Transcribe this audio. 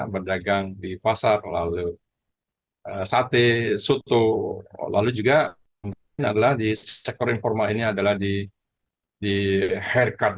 berdagang di pasar lalu sate soto lalu juga adalah di sektor informal ini adalah di haircut